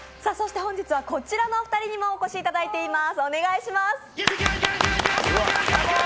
本日はこちらのお二人にも起こしいただいています。